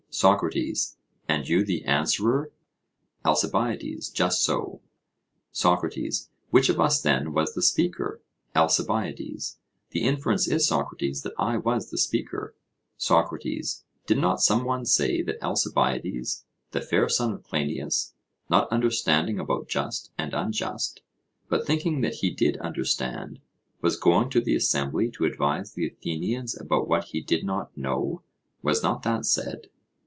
SOCRATES: And you the answerer? ALCIBIADES: Just so. SOCRATES: Which of us, then, was the speaker? ALCIBIADES: The inference is, Socrates, that I was the speaker. SOCRATES: Did not some one say that Alcibiades, the fair son of Cleinias, not understanding about just and unjust, but thinking that he did understand, was going to the assembly to advise the Athenians about what he did not know? Was not that said?